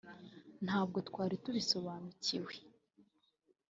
ntabwo twari tubisobanukiwe